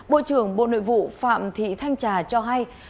bộ trưởng bộ nội vụ phạm thị thanh trà cho hay